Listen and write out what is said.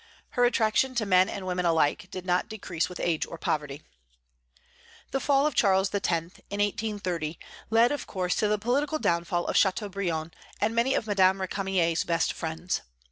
Her attraction to men and women alike did not decrease with age or poverty. The fall of Charles X., in 1830, led of course to the political downfall of Châteaubriand, and of many of Madame Récamier's best friends.